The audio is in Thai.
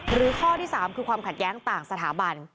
หรือข้อที่๓คือความขัดแย้งต่างสถาบัน